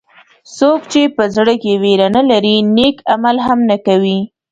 څوک چې په زړه کې وېره نه لري نیک عمل هم نه کوي.